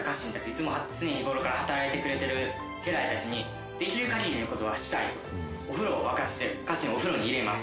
いつも常日頃から働いてくれてる家来たちにできる限りの事はしたいとお風呂を沸かして家臣をお風呂に入れます。